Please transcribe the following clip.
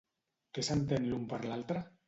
Què senten l'un per l'altre?